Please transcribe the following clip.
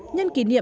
nhân kỷ niệm